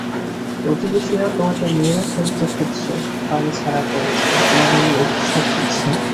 প্রতিবেশীরা তোমাকে মেরে ফেলতে খুঁজছে, বাড়ি ছাড়া করেছে, তোমার নামে অভিশাপ দিচ্ছে!